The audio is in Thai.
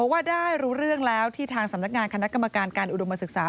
ว่าได้รู้เรื่องแล้วที่ทางสำนักงานคณะกรรมการการอุดมศึกษา